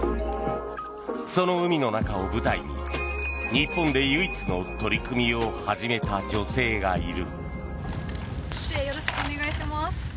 その海の中を舞台に日本で唯一の取り組みを始めた女性がいる。